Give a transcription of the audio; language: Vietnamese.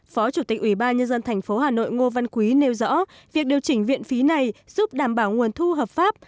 phó chủ tịch ủy ban nhân dân tp hà nội ngô văn quý nêu rõ việc điều chỉnh viện phí này giúp đảm bảo nguồn thu hợp pháp